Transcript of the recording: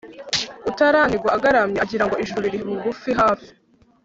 utaranigwa agaramye agira ngo ijuru riri bugufi (hafi)